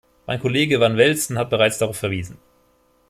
Mein Kollege van Velzen hat bereits darauf verwiesen.